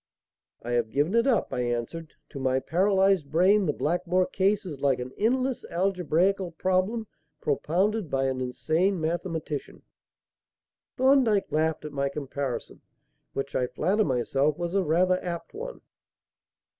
"I have given it up," I answered. "To my paralysed brain, the Blackmore case is like an endless algebraical problem propounded by an insane mathematician." Thorndyke laughed at my comparison, which I flatter myself was a rather apt one.